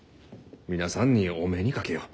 皆さんにお目にかけよう。